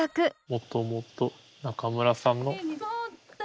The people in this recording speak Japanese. もともと中村さんの。